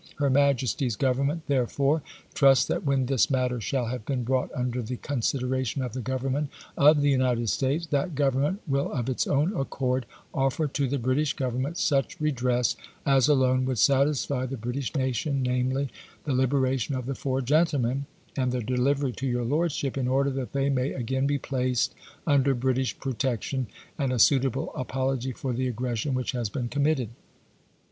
Her Majes ty's Government, therefore, trust that when this matter shall have been brought under the consideration of the Government of the United States, that Government will of its own accord offer to the British Government such redress as alone would satisfy the British nation, namely. 30 ABRAHAM LINCOLN CHAP. n. the liberation of the four gentlemen and their delivery to your Lordship, in order that they may again be placed iMi"!> Loni iiiitler British protection, and a suitable apology for the aggression which has been committed.